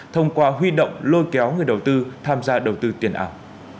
thông qua huy động lôi kéo người đầu tư tham gia đầu tư tiền ảo